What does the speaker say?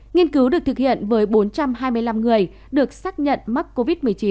nghiên cứu được thực hiện với bốn trăm hai mươi năm người được xác nhận mắc covid một mươi chín